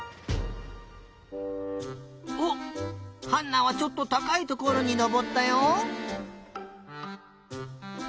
おっハンナはちょっとたかいところにのぼったよ。